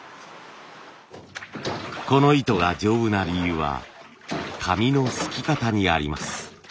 この糸が丈夫な理由は紙のすき方にあります。